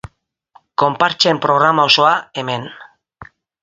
Konpartsen programa osoa, hemen.